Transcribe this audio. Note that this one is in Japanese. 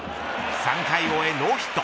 ３回を終えノーヒット。